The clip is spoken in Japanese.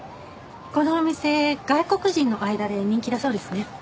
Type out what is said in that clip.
このお店外国人の間で人気だそうですね。